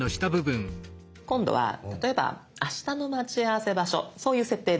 今度は例えばあしたの待ち合わせ場所そういう設定で。